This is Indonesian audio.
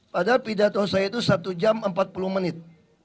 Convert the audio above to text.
padahal pidato saya itu satu jam empat puluh menit